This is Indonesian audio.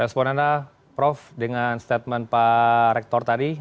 respon anda prof dengan statement pak rektor tadi